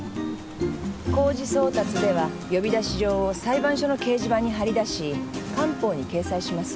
送達では呼出状を裁判所の掲示板にはり出し官報に掲載します。